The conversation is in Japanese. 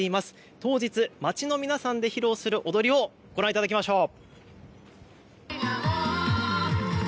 当日、街の皆さんで披露する踊りをご覧いただきましょう。